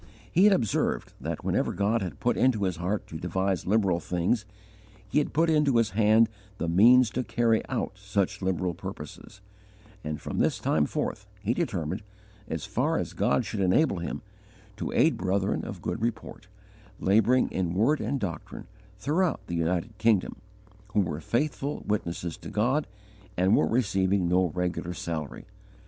He had observed that whenever God had put into his heart to devise liberal things, He had put into his hand the means to carry out such liberal purposes; and from this time forth he determined, as far as God should enable him, to aid brethren of good report, labouring in word and doctrine, throughout the United Kingdom, who were faithful witnesses to God and were receiving no regular salary.